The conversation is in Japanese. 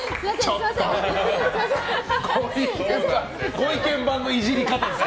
ご意見番のイジり方ですよ！